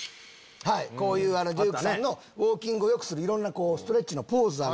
こういうデュークさんのウォーキングを良くするストレッチのポーズ。